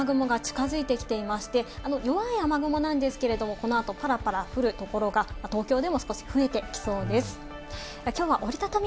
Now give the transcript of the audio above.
そうですね、ちょうど今、雨雲が近づいてきていまして、あの弱い雨雲なんですけれども、この後、パラパラ降るところが東京でも少し増えてきそうです。